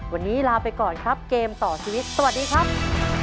วันนี้ลาไปก่อนครับเกมต่อชีวิตสวัสดีครับ